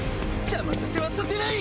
邪魔立てはさせない！